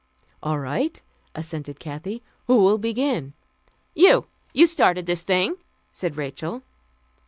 "All right," assented Kathy. "Who will begin?" "You. You started this thing," said Rachel.